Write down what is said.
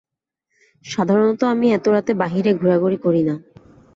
সাধারণত আমি এত রাতে বাহিরে ঘুরাঘুরি করি না।